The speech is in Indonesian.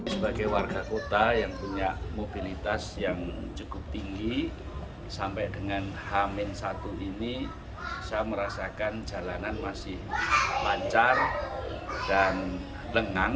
sebagai warga kota yang punya mobilitas yang cukup tinggi sampai dengan hamin satu ini saya merasakan jalanan masih lancar dan lengang